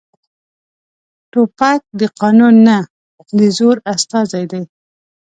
توپک د قانون نه، د زور استازی دی.